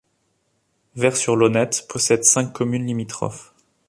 Ver-sur-Launette possède cinq communes limitrophes.